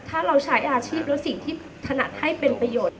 ถ้าเราใช้อาชีพแล้วสิ่งที่ถนัดให้เป็นประโยชน์